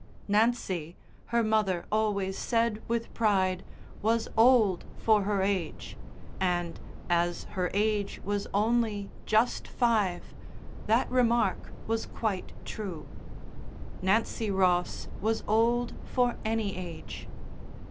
Nancy, her mother always said with pride, was old for her age, and, as her age was only just five, that remark was quite true. Nancy Ross was old for any age.